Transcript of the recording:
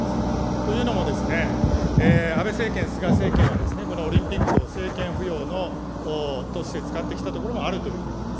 というのも、安倍政権、菅政権は、このオリンピックを政権浮揚として使ってきたところもあるというふうに思います。